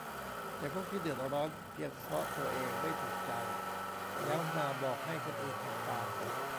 แต่พวกที่เดือดร้อนเพียงเพราะตัวเองไม่ถูกใจ แล้วมาบอกให้คนอื่นทำตาม